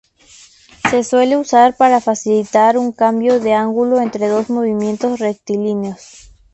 Se suele usar para facilitar un cambio de ángulo entre dos movimientos rectilíneos.